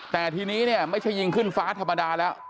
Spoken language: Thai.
แต่ทีนี้เนี่ยไม่ใช่ยิงขึ้นฟ้าธรรมดาแล้ว